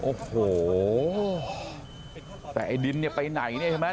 โอ้โหแต่ไอ้ดินเนี่ยไปไหนเนี่ยใช่ไหม